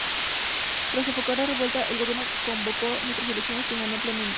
Tras sofocar la revuelta, el Gobierno convocó nuevas elecciones, que ganó ampliamente.